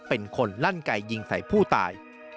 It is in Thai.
เป็นคนลั่นไก่ยิงใส่ผู้ตาย